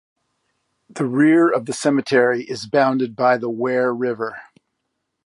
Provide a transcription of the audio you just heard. The rear of the cemetery is bounded by the Ware River.